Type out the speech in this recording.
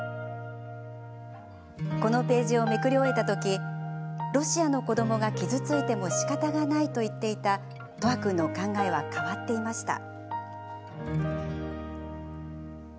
このページをめくり終えた時ロシアの子どもが傷ついてもしかたがないと言っていた叶和君の考えは変わっていました。